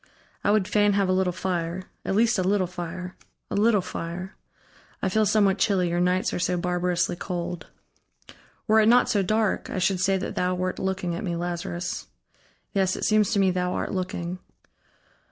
I would fain have a little fire at least a little fire, a little fire. I feel somewhat chilly, your nights are so barbarously cold.... Were it not so dark, I should say that thou wert looking at me, Lazarus. Yes, it seems to me, thou art looking....